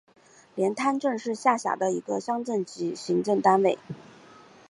连滩镇是下辖的一个乡镇级行政单位。